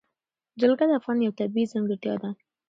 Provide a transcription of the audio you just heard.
جلګه د افغانستان یوه طبیعي ځانګړتیا ده.